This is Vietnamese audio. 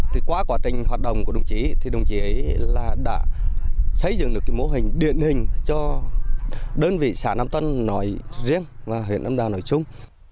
thì qua quá trình hoạt động của đồng chí thì đồng chí ấy là đã xây dựng được cái mô hình điển hình cho đơn vị xã nam tân nói riêng và huyện nam đào nói chung